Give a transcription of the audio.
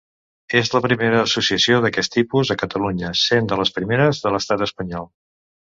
És la primera associació d'aquest tipus a Catalunya, sent de les primeres de l'Estat Espanyol.